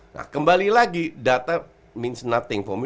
nah kembali lagi data means nothing for me